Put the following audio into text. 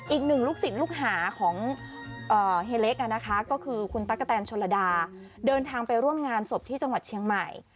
อีกหนึ่งลูกศิษย์ลูกหาของเฮเล็กก็คือคุณตั๊กกะแตนชนระดาเดินทางไปร่วมงานศพที่จังหวัดเชียงใหม่